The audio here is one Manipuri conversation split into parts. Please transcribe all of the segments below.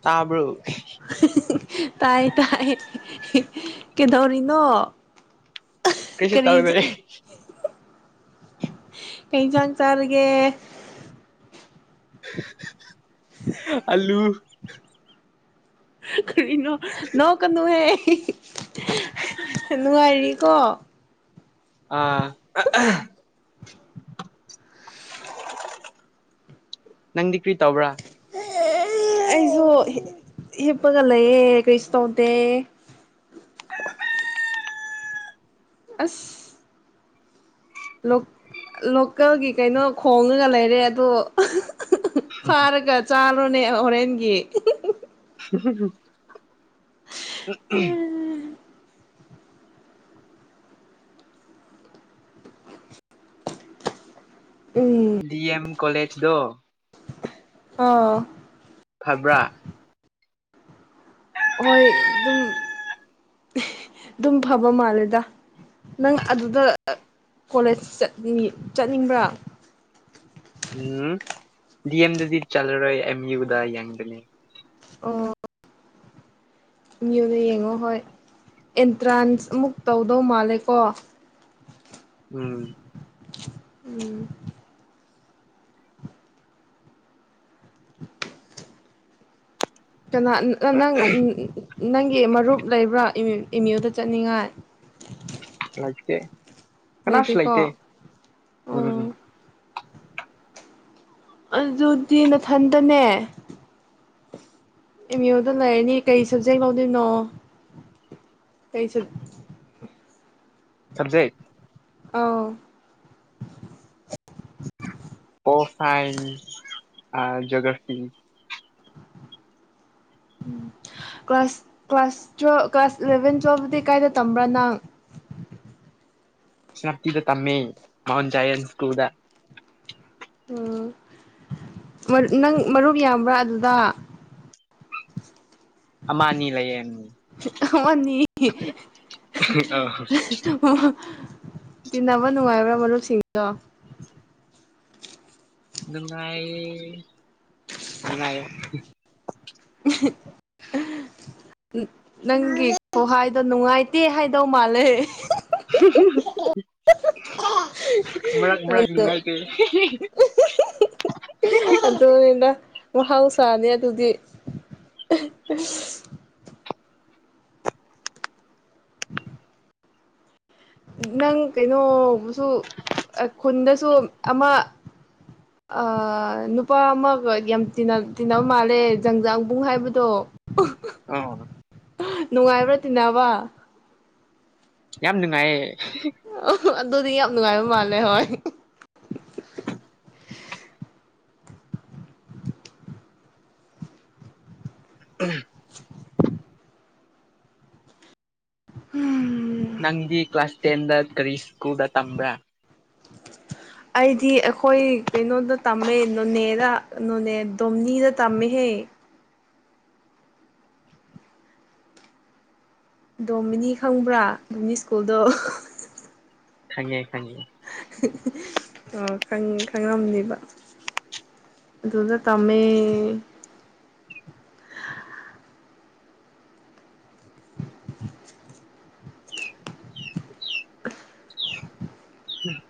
ꯇꯥꯕ꯭ꯔ ꫭ [unintelligible] ꯇꯥꯏ ꯇꯥꯏ ꯀꯩꯗꯧꯔꯤꯅꯣ ꯀꯩꯁꯨ ꯀꯔꯤ ꯇꯧꯗꯔꯤ ꯀꯩ ꯏꯟꯖꯥꯡ ꯆꯥꯔꯒꯦ ꯑꯂꯨ ꯍ ꯀꯩꯅꯣ ꯅꯣꯛꯀꯅꯨꯍꯦ ꯍ ꯅꯨꯡꯉꯥꯏꯔꯤ ꯀꯣ ꯑ ꯅꯪꯗꯤ ꯀ꯭ꯔꯤ ꯇꯧꯕ꯭ꯔꯥ ꯑꯩꯁꯨ ꯍꯤꯞꯄꯒ ꯂꯩꯌꯦ ꯀꯔꯤꯁꯨ ꯇꯧꯗꯦ꯫ ꯑꯁ꯫ ꯂꫭ ꯂꯣꯀꯦꯜꯒꯤ ꯀꯩꯅꯣ ꯈꯣꯡꯉꯒ ꯂꯩꯔꯦ ꯑꯗꫭ꯫ ꯐꯔꯒ ꯆꯥꯔꫭ꯫ ꯅꯦ ꯍꫭꯔꯦꯟꯒꯤ꯫ [unintelligible] [unintelligible] ꯎꯝ ꯗꯤꯑꯦꯝ꯫ ꯀꯣꯂꯦꯖꯗꫭ ꯍꫭ꯫ ꯐꯕ꯭ꯔꯥ꯫ ꯍꯣꯏ ꯑꯗꯨꯝ ꯑꯗꯨꯝ ꯐꯕ ꯃꯥꯜꯂꯦꯗ ꯅꯪ ꯑꯗꯨꯗ ꯀꯣꯂꯦꯖꯠꯅꯤꯡ ꯆꯠꯅꯤꯡꯕ꯭ꯔꯥ꯫ ꯎꯝ ꯗꯤ ꯑꯦꯝꯗꯗꯤ ꯆꯠꯂꯔꯣꯏ ꯑꯦꯝ ꯌꯨꯗ ꯌꯦꯡꯗꯅꯤ꯫ ꯑꯣ꯫ ꯑꯦ ꯌꯨꯗ ꯌꯦꯡꯉꯣ ꯍꯣꯏ ꯑꯦꯟꯇ꯭ꯔꯥꯟꯁ ꯑꯃꯨꯛ ꯇꯧꯗꯧ ꯃꯥꯜꯂꯦꯀꯣ꯫ ꯎꯝ ꯎꯝ꯫ [unintelligible] ꯀꯅꯥ ꯅꯪ꯫ ꯅꯪꯒꯤ ꯃꯔꯨꯞ ꯂꯩꯕ꯭ꯔꯥ ꯑꯦꯝ ꯌꯨꯗ ꯆꯠꯅꯤꯡꯉꯥꯏ꯫ ꯂꯥꯛꯇꯦ ꯀꯅꯥꯁꯨ ꯂꯩꯥꯏꯇꯦ ꯂꯩꯇꯦꯀꯣ ꯎꯝ꯫ ꯑꯣ ꯑꯗꯨꯗꯤ ꯅꯊꯟꯇꯅꯦ꯫ ꯑꯦꯝ ꯌꯨꯗ ꯂꯩꯔꯅꯤ ꯀꯩ ꯁꯕꯖꯦꯛ ꯂꯧꯗꯣꯏꯅꯣ ꯀꯩ ꯁꯕ꯫ ꯁꯕꯖꯦꯛ꯫ ꯑꯥꯎ꯫ ꯄꫭꯜꯁꯥꯏꯟꯁ ꯑ geography. Class class twelve class eleven ꯇꯨꯋꯦꯜꯐꯗꯤ ꯀꯥꯏꯗ ꯇꯝꯕ꯭ꯔꯥ ꯅꯪ꯫ ꯁꯦꯅꯥꯞꯇꯤꯗ ꯇꯝꯃꯦ ꯃꯥꯎꯟ [unintelligible] ꯏꯁꯀꯨꯜꯗ꯫ ꯎꯝ ꯅꯪ ꯃꯔꯨꯞ ꯌꯥꯝꯕ꯭ꯔꯥ ꯑꯗꯨꯗ꯫ ꯑꯃ ꯑꯅꯤ ꯂꯩꯌꯦ ꯑꯃꯅꯤ ꯅꯨꯡꯉꯥꯏꯌꯦ [unintelligible] ꯇꯤꯟꯅꯕ ꯅꯨꯡꯉꯥꯏꯕ꯭ꯔꯥ ꯃꯔꯨꯞꯁꯤꯡꯗꯣ꯫ ꯅꯨꯉꯥꯏ ꯅꯨꯉꯥꯏ꯫ ꯅꯪꯒꯤ ꯈꯨꯍꯥꯏꯗꯣ ꯅꯨꯡꯉꯥꯏꯇꯦ ꯍꯥꯏꯗꯧ ꯃꯥꯜꯂꯦ꯫ [unintelligible] ꯃꯔꯛ ꯃꯔꯛ ꯅꯨꯉꯥꯏꯇꯦ꯫ [unintelligible] [unintelligible] ꯃꯍꯥꯎꯁꯥꯅꯤ ꯑꯗꯨꯗꯤ ꯅꯪ ꯀꯩꯅꯣꯁꯨ ꯈꯨꯟꯗꯁꯨ ꯑꯃ ꯅꯨꯄꯥ ꯑꯃꯒ ꯌꯥꯝ ꯇꯤꯟꯅꯕ ꯃꯥꯜꯂꯦ ꯖꯪꯖꯥꯡꯕꯨꯡ ꯍꯥꯏꯕꯗꯣ ꯑꯣ ꯅꯨꯡꯉꯥꯏꯕ꯭ꯔꯥ [unintelligible] ꯌꯥꯝ ꯅꯨꯡꯉꯥꯏꯌꯦ ꯑ ꯑꯗꯨꯗꯤ ꯌꯥꯝ ꯅꯨꯡꯉꯥꯏꯕ ꯃꯥꯜꯂꯦ ꯍꯣꯏ ꯎ ꯎꯝ ꯅꯪꯗꯤ ꯀ꯭ꯂꯥꯁ ꯇꯦꯟꯗ ꯀ꯭ꯔꯤꯁ ꯀꯨꯗ ꯇꯝꯕ ꯑꯩꯗꯤ ꯑꯩꯈꯣꯏ ꯀꯩꯅꯣꯗ ꯇꯝꯃꯦ ꯅꯣꯅꯦꯗ ꯅꯣꯅꯦ ꯗꯣꯝꯅꯤꯗ ꯇꯝꯃꯦꯍꯦ ꯗꯣꯃꯤꯅꯤ ꯈꯪꯕ꯭ꯔꯥ ꯗꯣꯅꯤ ꯁ꯭ꯀꯨꯜꯗꯣ ꯍꯪꯦ ꯍꯪꯦ ꯈꯪꯉꯝꯅꯦꯕ ꯑꯗꯨꯗ ꯇꯝꯃꯦ [unintelligible] [unintelligible] ꯎꯝ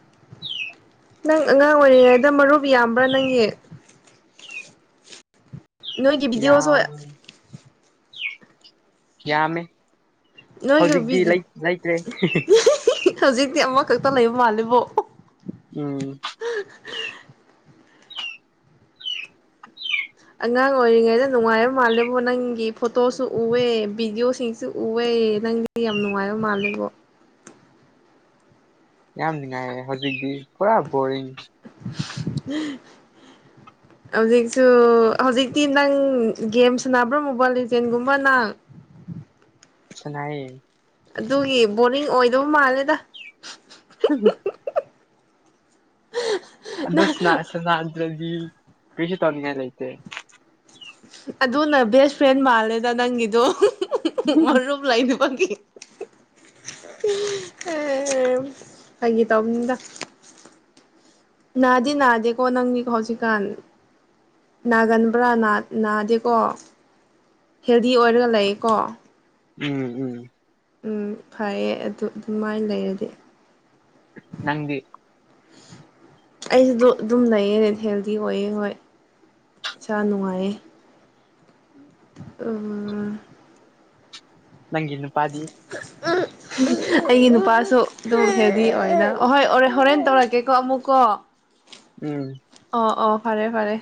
ꯅꯪ ꯑꯉꯥꯡ ꯑꯣꯏꯔꯤꯉꯩꯗ ꯃꯔꯨꯞ ꯌꯥꯝꯕ꯭ꯔꯥ ꯅꯪꯒꯤ ꯅꯣꯏꯒꯤ ꯚꯤꯗꯤꯑꯣꯁꯨ ꯌꯥꯝ ꯀꯌꯥꯃꯦ ꯅꯣꯏꯒꯤ ꯍꯧꯖꯤꯛꯇꯤ ꯂꯩꯇ꯭ꯔꯦ ꯍꯧꯖꯤꯛꯇꯤ ꯑꯃꯈꯛꯇ ꯂꯩꯕ ꯃꯥꯜꯂꯤꯕꯣ ꯎꯝ ꯑꯉꯥꯡ ꯑꯣꯏꯔꯤꯉꯩꯗ ꯅꯨꯡꯉꯥꯏꯕ ꯃꯥꯜꯂꯦꯕꯣ ꯅꯪꯒꯤ ꯐꯣꯇꯣꯁꯨ ꯎꯋꯦ ꯚꯤꯗꯤꯑꯣꯁꯤꯡꯁꯨ ꯎꯋꯦ ꯅꯪꯗꯤ ꯌꯥꯝ ꯅꯨꯡꯉꯥꯏꯕ ꯃꯥꯜꯂꯦꯕꯣ ꯌꯥꯝ ꯅꯨꯡꯉꯥꯏꯌꯦ ꯍꯧꯖꯤꯛꯇꯤ ꯄꯨꯔꯥ ꯕꯣꯔꯤꯡ ꯍꯧꯖꯤꯛꯁꯨ ꯍꯧꯖꯤꯛꯇꯤ ꯅꯪ ꯒꯦꯝ ꯁꯥꯟꯅꯕ꯭ꯔꯥ ꯃꯣꯕꯥꯏꯜ ꯂꯤꯖꯦꯜꯒꯨꯝꯕ ꯅꯪ ꯁꯅꯥꯏꯌꯦ ꯑꯗꯨꯒꯤ ꯕꯣꯔꯤꯡ ꯑꯣꯏꯗꯕ ꯃꯥꯜꯂꯦꯗ [inaudible] ꯑꯗꯨꯁꯅ ꯁꯅ ꯖꯤ ꯀꯩꯁꯨ ꯇꯧꯅꯤꯡꯉꯥꯏ ꯂꯩꯇꯦ ꯑꯗꯨꯅ ꯕꯦꯁ ꯐ꯭ꯔꯦꯟ ꯃꯥꯜꯂꯦꯗ ꯅꯪꯒꯤꯗꯣ ꯃꯔꯨꯞ ꯂꯩꯇꯕꯒꯤ ꯍ ꯐꯥꯒꯤ ꯇꯧꯕꯅꯤꯗ ꯅꯥꯗꯤ ꯅꯥꯗꯦꯀꯣ ꯅꯪ ꯖꯤ ꯍꯧꯖꯤꯛꯀꯥꯟ ꯅꯥꯒꯟꯕ꯭ꯔꯥ ꯅꯥꯗꯦꯀꯣ ꯍꯦꯜꯗꯤ ꯑꯣꯏꯔꯒ ꯂꯩꯀꯣ ꯎꯝ ꯎꯝ ꯎꯝ ꯐꯔꯌꯦ ꯑꯗꯨ ꯑꯗꯨꯃꯥꯏꯅ ꯂꯩꯔꯗꯤ ꯅꯪꯗꯤ ꯑꯩꯁꯤꯗ ꯑꯗꯨꯝ ꯂꯩꯌꯦ ꯍꯦꯜꯗꯤ ꯑꯣꯏꯌꯦ ꯍꯣꯏ ꯏꯁꯥ ꯅꯨꯡꯉꯥꯏꯌꯦ ꯑꯣ ꯅꯪꯒꯤ ꯅꯨ ꯄꯥꯗꯤ ꯑꯩꯒꯤ ꯅꯨꯄꯥꯁꯨ ꯑꯗꯨꯝ ꯍꯦꯜꯗꯤ ꯑꯣꯏꯗ ꯑꯍꯣꯏ ꯍꯣꯔꯦꯟ ꯇꯧꯔꯛꯀꯦꯀꯣ ꯑꯃꯨꯛꯀꯣ ꯎꯝ ꯑꯣ ꯑꯣ ꯐꯔꯦ ꯐꯔꯦ